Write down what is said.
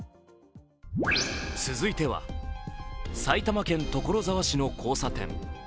続いては埼玉県所沢市の交差点。